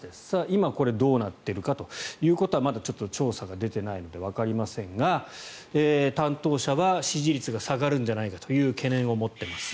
今、これどうなってるかということはまだ調査が出ていないのでわかりませんが担当者は支持率が下がるんじゃないかという懸念を持っています。